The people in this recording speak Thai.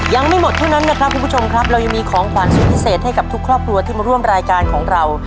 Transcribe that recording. ยังไม่หมดเท่านั้นนะครับคุณผู้ชมครับเรายังมีของขวัญสุดพิเศษให้กับทุกครอบครัวที่มาร่วมรายการของเรา